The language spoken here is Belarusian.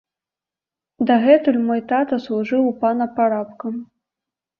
Дагэтуль мой тата служыў у пана парабкам.